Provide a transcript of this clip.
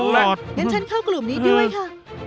งั้นฉันเข้ากลุ่มนี้ด้วยค่ะ